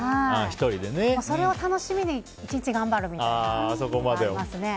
それを楽しみに１日頑張るみたいなのがありますね。